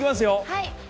はい。